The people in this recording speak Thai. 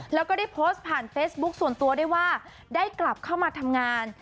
แล้วก็ได้โพสต์ผ่านเฟซบุ๊คส่วนตัวด้วยว่าได้กลับเข้ามาทำงาน